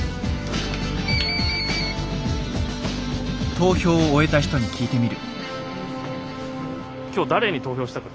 投票を終えた人に聞いてみる。